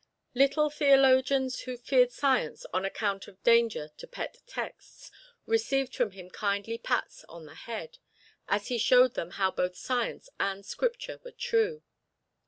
Little theologians who feared Science, on account of danger to pet texts, received from him kindly pats on the head, as he showed them how both Science and Scripture were true.